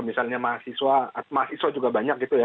misalnya mahasiswa mahasiswa juga banyak gitu ya